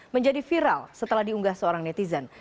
menjadi viral setelah diunggah seorang netizen